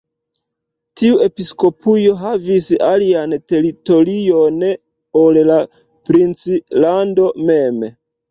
Tiu episkopujo havis alian teritorion ol la princlando mem.